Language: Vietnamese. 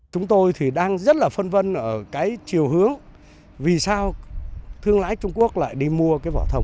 chúng tôi thì đang rất là phân vân ở cái chiều hướng vì sao thương lái trung quốc lại đi mua cái vỏ thông